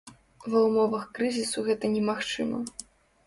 Ва ўмовах крызісу гэта немагчыма.